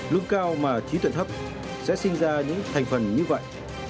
lương cao mà trí tuyệt hấp sẽ sinh ra những thành phần như vậy